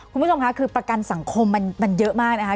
คุณผู้ชมค่ะคือประกันสังคมมันเยอะมากนะคะ